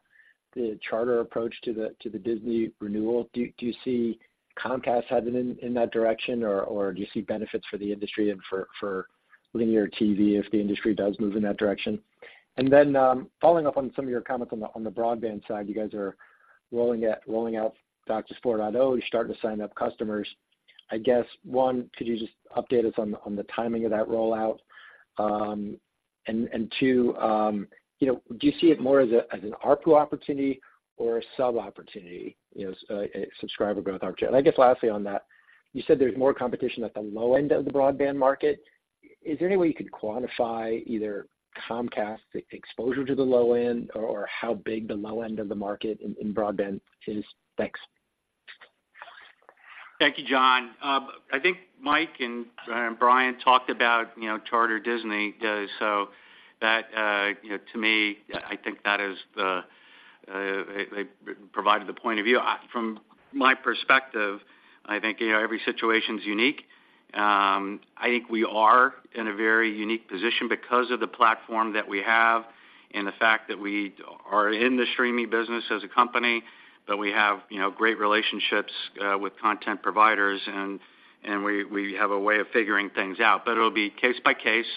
Charter approach to the Disney renewal? Do you see Comcast heading in that direction, or do you see benefits for the industry and for linear TV if the industry does move in that direction? And then, following up on some of your comments on the broadband side, you guys are rolling out DOCSIS 4.0. You're starting to sign up customers. I guess, one, could you just update us on the timing of that rollout? And two, you know, do you see it more as an ARPU opportunity or a sub opportunity, you know, subscriber growth opportunity? And I guess lastly on that, you said there's more competition at the low end of the broadband market. Is there any way you could quantify either Comcast's exposure to the low end or how big the low end of the market in broadband is? Thanks. Thank you, John. I think Mike and Brian talked about, you know, Charter, Disney, so that, you know, to me, I think that is the they provided the point of view. From my perspective, I think, you know, every situation's unique. I think we are in a very unique position because of the platform that we have and the fact that we are in the streaming business as a company, that we have, you know, great relationships with content providers, and, and we, we have a way of figuring things out. But it'll be case by case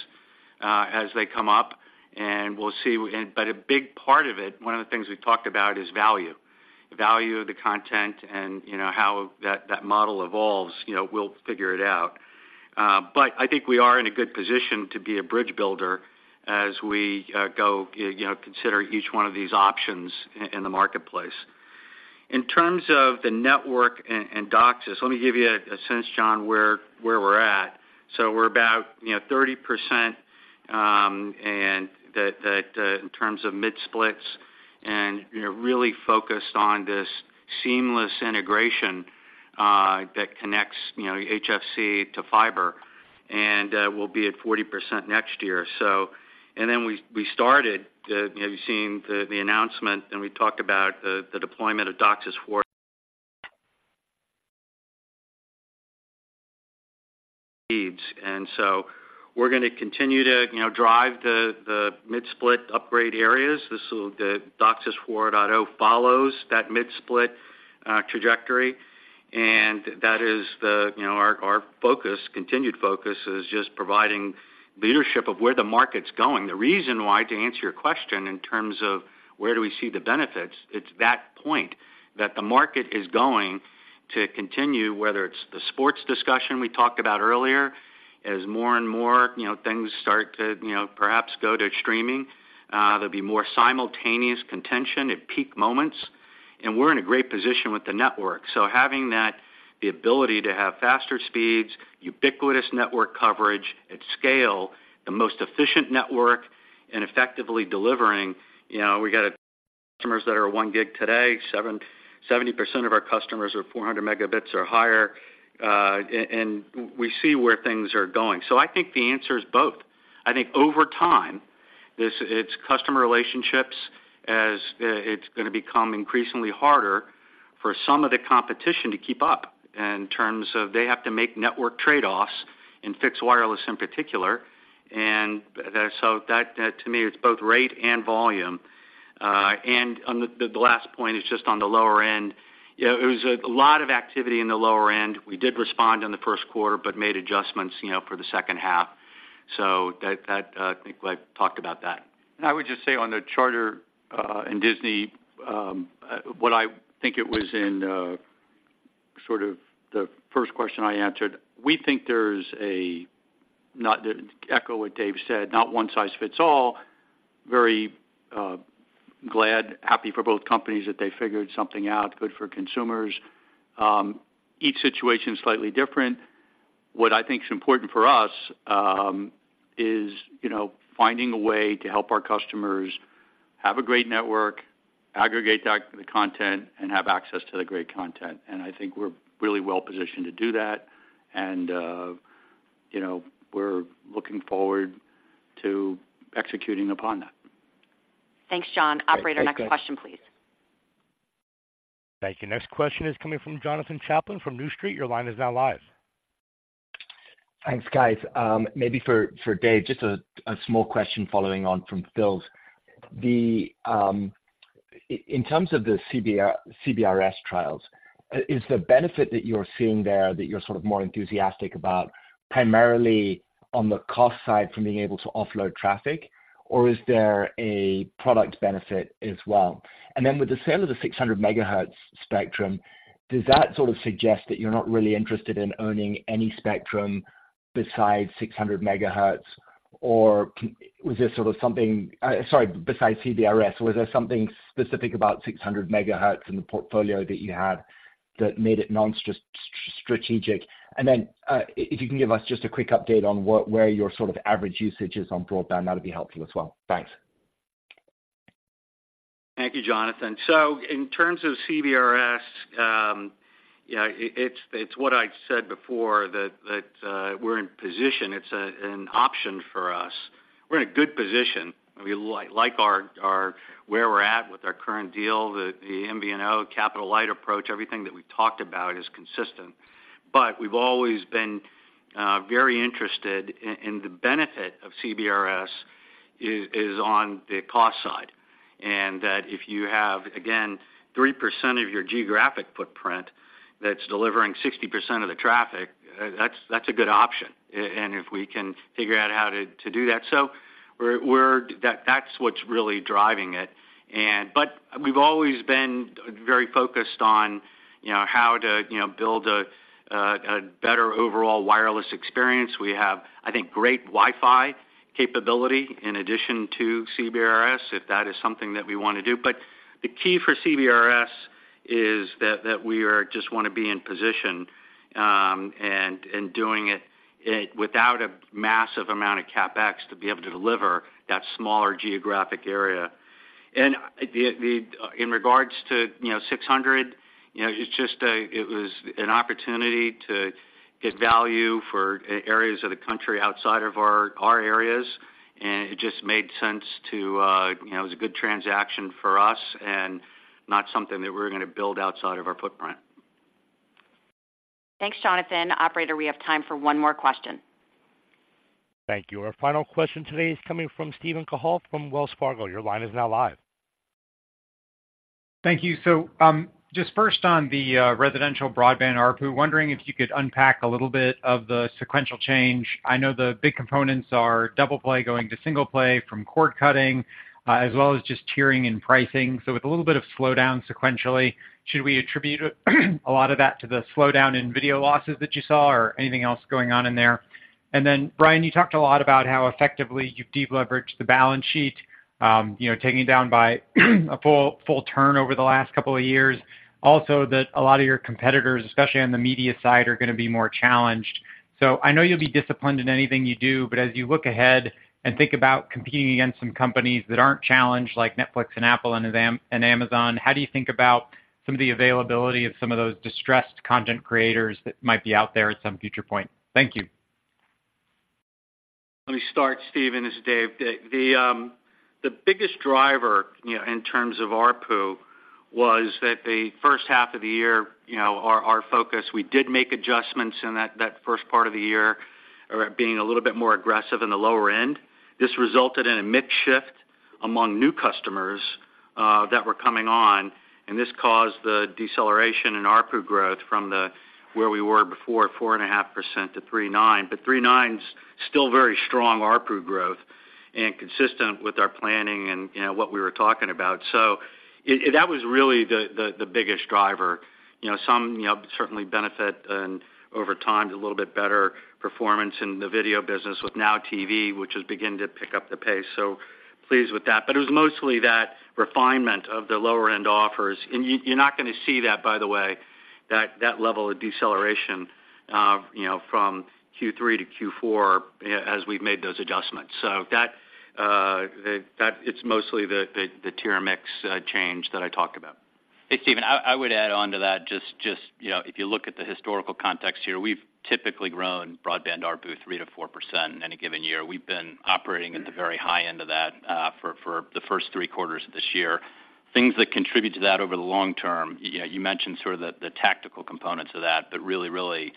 as they come up, and we'll see. And but a big part of it, one of the things we talked about, is value. Value of the content, and, you know, how that, that model evolves, you know, we'll figure it out. But I think we are in a good position to be a bridge builder as we go, you know, consider each one of these options in the marketplace. In terms of the network and DOCSIS, let me give you a sense, John, where we're at. So we're about, you know, 30%, and that in terms of mid-splits, and you know, really focused on this seamless integration that connects, you know, HFC to fiber, and we'll be at 40% next year. So, and then we started, you've seen the announcement, and we talked about the deployment of DOCSIS 4.0 needs, and so we're gonna continue to, you know, drive the mid-split upgrade areas. The DOCSIS 4.0 follows that mid-split trajectory, and that is the, you know, our, our focus, continued focus is just providing leadership of where the market's going. The reason why, to answer your question, in terms of where do we see the benefits, it's that point that the market is going to continue, whether it's the sports discussion we talked about earlier, as more and more, you know, things start to, you know, perhaps go to streaming, there'll be more simultaneous contention at peak moments, and we're in a great position with the network. So having that, the ability to have faster speeds, ubiquitous network coverage at scale, the most efficient network, and effectively delivering, you know, we got customers that are 1 gig today, 77% of our customers are 400 megabits or higher, and we see where things are going. So I think the answer is both. I think over time, this, it's customer relationships, as, it's gonna become increasingly harder for some of the competition to keep up in terms of they have to make network trade-offs in fixed wireless in particular. And, so that, that to me, it's both rate and volume. And on the, the last point is just on the lower end. Yeah, it was a lot of activity in the lower end. We did respond in the Q1, but made adjustments, you know, for the second half. So that, I think I talked about that. I would just say on the Charter and Disney, what I think it was in sort of the first question I answered, we think there's a, not to echo what Dave said, not one size fits all. Very glad, happy for both companies that they figured something out, good for consumers. Each situation is slightly different. What I think is important for us, is, you know, finding a way to help our customers have a great network, aggregate that content, and have access to the great content. And I think we're really well positioned to do that, and, you know, we're looking forward to executing upon that. Thanks, John. Operator, next question, please. Thank you. Next question is coming from Jonathan Chaplin from New Street. Your line is now live. Thanks, guys. Maybe for Dave, just a small question following on from Phil's. The, in terms of the CBRS trials, is the benefit that you're seeing there, that you're sort of more enthusiastic about, primarily on the cost side from being able to offload traffic? Or is there a product benefit as well? And then with the sale of the 600 MHz spectrum, does that sort of suggest that you're not really interested in owning any spectrum besides 600 MHz? Or was there sort of something besides CBRS, was there something specific about 600 MHz in the portfolio that you had that made it nonstrategic? And then, if you can give us just a quick update on what, where your sort of average usage is on broadband, that'll be helpful as well. Thanks. Thank you, Jonathan. So in terms of CBRS, yeah, it's what I said before, that we're in position. It's an option for us. We're in a good position. We like our where we're at with our current deal, the MVNO capital-light approach, everything that we've talked about is consistent. But we've always been very interested in, and the benefit of CBRS is on the cost side. And that if you have, again, 3% of your geographic footprint, that's delivering 60% of the traffic, that's a good option, and if we can figure out how to do that. So that's what's really driving it. But we've always been very focused on, you know, how to, you know, build a better overall wireless experience. We have, I think, great Wi-Fi capability in addition to CBRS, if that is something that we want to do. But the key for CBRS is that we just want to be in position and doing it without a massive amount of CapEx to be able to deliver that smaller geographic area. And in regards to, you know, 600, you know, it's just it was an opportunity to get value for areas of the country outside of our areas, and it just made sense to, you know, it was a good transaction for us and not something that we're gonna build outside of our footprint. Thanks, Jonathan. Operator, we have time for one more question. Thank you. Our final question today is coming from Steven Cahall from Wells Fargo. Your line is now live. Thank you. So, just first on the residential broadband ARPU, wondering if you could unpack a little bit of the sequential change. I know the big components are double play going to single play from cord cutting, as well as just tiering and pricing. So with a little bit of slowdown sequentially, should we attribute a lot of that to the slowdown in video losses that you saw, or anything else going on in there? And then, Brian, you talked a lot about how effectively you've deleveraged the balance sheet, you know, taking it down by a full, full turn over the last couple of years. Also, that a lot of your competitors, especially on the media side, are gonna be more challenged. So I know you'll be disciplined in anything you do, but as you look ahead and think about competing against some companies that aren't challenged, like Netflix and Apple and Amazon, how do you think about some of the availability of some of those distressed content creators that might be out there at some future point? Thank you. Let me start, Steven, this is Dave. The biggest driver, you know, in terms of ARPU, was that in the first half of the year, you know, our focus, we did make adjustments in that first part of the year, being a little bit more aggressive in the lower end. This resulted in a mix shift among new customers that were coming on, and this caused the deceleration in ARPU growth from where we were before, 4.5% to 3.9%. But 3.9% is still very strong ARPU growth and consistent with our planning and, you know, what we were talking about. So that was really the biggest driver. You know, some, you know, certainly benefit, and over time, a little bit better performance in the video business with NOW TV, which is beginning to pick up the pace, so pleased with that. But it was mostly that refinement of the lower-end offers. And you, you're not gonna see that, by the way, that level of deceleration, you know, from Q3 to Q4 as we've made those adjustments. So that, it's mostly the tier mix change that I talked about. Hey, Steven, I would add on to that, just, you know, if you look at the historical context here, we've typically grown broadband ARPU 3%-4% in any given year. We've been operating at the very high end of that, for the first three quarters of this year. Things that contribute to that over the long term, you mentioned sort of the tactical components of that, but really, you know,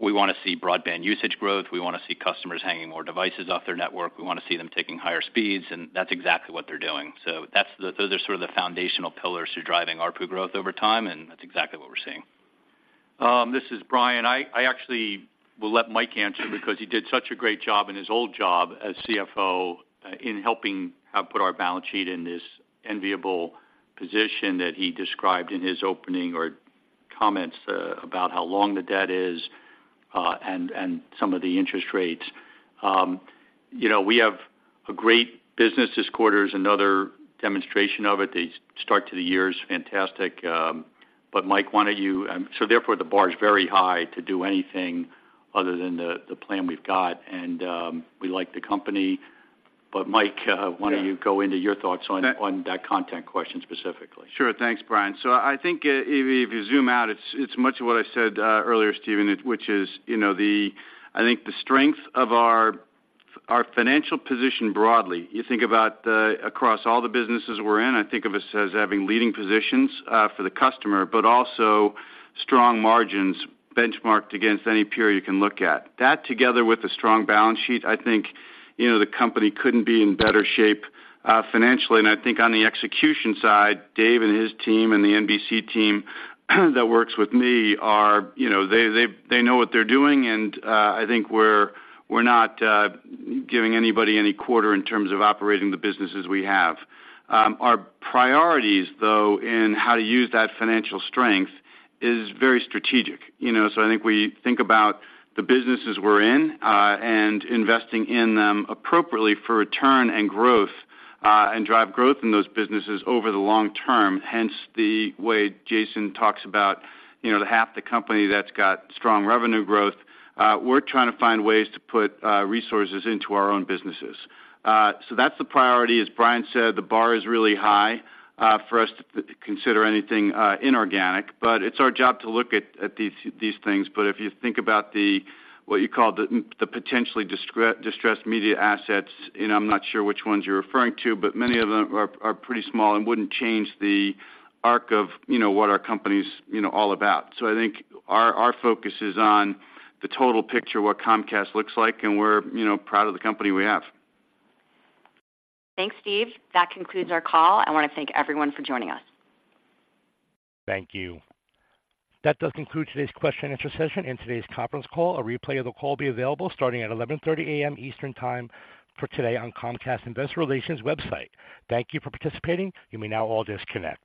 we want to see broadband usage growth. We want to see customers hanging more devices off their network. We want to see them taking higher speeds, and that's exactly what they're doing. So that's the... those are sort of the foundational pillars to driving ARPU growth over time, and that's exactly what we're seeing. This is Brian. I actually will let Mike answer because he did such a great job in his old job as CFO in helping put our balance sheet in this enviable position that he described in his opening or comments about how long the debt is and some of the interest rates. You know, we have a great business. This quarter is another demonstration of it. The start to the year is fantastic. But Mike, why don't you, so therefore, the bar is very high to do anything other than the plan we've got, and we like the company. But Mike, why don't you go into your thoughts on that content question specifically? Sure. Thanks, Brian. So I think if you zoom out, it's much of what I said earlier, Steven, which is, you know, the, I think, the strength of our our financial position broadly. You think about the across all the businesses we're in, I think of us as having leading positions for the customer, but also strong margins benchmarked against any peer you can look at. That, together with a strong balance sheet, I think, you know, the company couldn't be in better shape financially. And I think on the execution side, Dave and his team and the NBC team that works with me are, you know, they know what they're doing, and I think we're not giving anybody any quarter in terms of operating the businesses we have. Our priorities, though, in how to use that financial strength is very strategic, you know? So I think we think about the businesses we're in, and investing in them appropriately for return and growth, and drive growth in those businesses over the long term. Hence, the way Jason talks about, you know, the half the company that's got strong revenue growth. We're trying to find ways to put resources into our own businesses. So that's the priority. As Brian said, the bar is really high for us to consider anything inorganic, but it's our job to look at these things. But if you think about what you call the potentially distressed media assets, and I'm not sure which ones you're referring to, but many of them are pretty small and wouldn't change the arc of, you know, what our company's, you know, all about. So I think our focus is on the total picture, what Comcast looks like, and we're, you know, proud of the company we have. Thanks, Steve. That concludes our call. I want to thank everyone for joining us. Thank you. That does conclude today's question and answer session and today's conference call. A replay of the call will be available starting at 11:30 A.M. Eastern Time for today on Comcast Investor Relations website. Thank you for participating. You may now all disconnect.